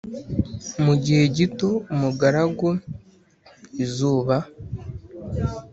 mugihe gito umugaragu izuba,